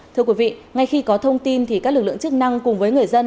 thưa quý vị ngay khi có thông tin thì các lực lượng chức năng cùng với người dân